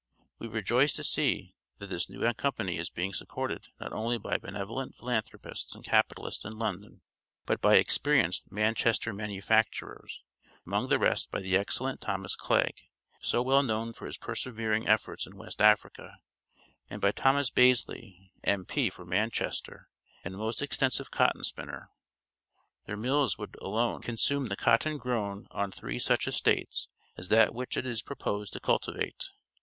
We rejoice to see that this new company is being supported not only by benevolent philanthropists and capitalists in London, but by experienced Manchester manufacturers; among the rest by the excellent Thomas Clegg, so well known for his persevering efforts in West Africa, and by Thomas Bazley, M.P. for Manchester, and a most extensive cotton spinner. Their mills would alone, consume the cotton grown on three such estates as that which it is proposed to cultivate.